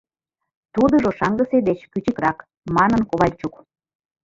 Тудыжо шаҥгысе деч кӱчыкрак, — манын Ковальчук.